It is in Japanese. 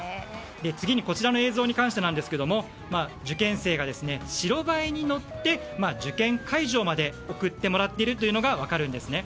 次に、こちらの映像に関してなんですけれども受験生が白バイに乗って受験会場まで送ってもらっているというのが分かるんですね。